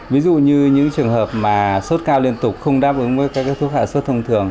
ví dụ như những trường hợp mà sốt cao liên tục không đáp ứng với các thuốc hạ sốt thông thường